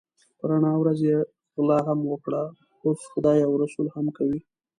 په رڼا ورځ یې غلا هم وکړه اوس خدای او رسول هم کوي.